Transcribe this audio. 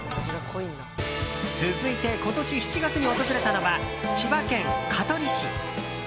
続いて、今年７月に訪れたのは千葉県香取市。